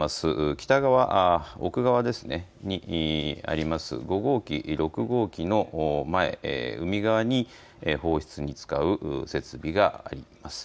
北側奥側にある５号機、６号機の前海側に放出に使う設備があります。